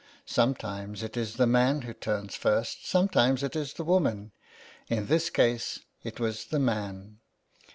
Sometimes it isthe man who turns first, sometimes it is the woman. In this case it was the man.